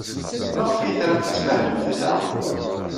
Maɣef ay tramt ad tmahlemt da?